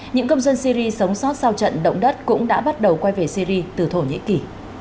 những công dân syri sống sót sau trận động đất cũng đã bắt đầu quay về syri từ thổ nhĩ kỳ